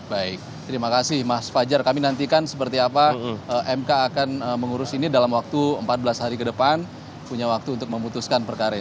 baik terima kasih mas fajar kami nantikan seperti apa mk akan mengurus ini dalam waktu empat belas hari ke depan punya waktu untuk memutuskan perkara ini